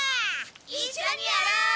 いっしょにやろう！